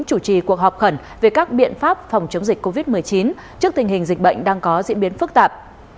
chủ trì cuộc họp khẩn về các biện pháp phòng chống dịch covid một mươi chín trước tình hình dịch bệnh đang có diễn biến phức tạp